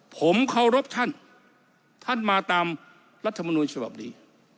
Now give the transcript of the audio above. ผมเคารพท่านท่านมาตามรัฐมนุนฉบับนี้